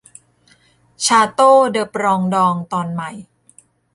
ชาโตว์เดอปรองดอง ตอนใหม่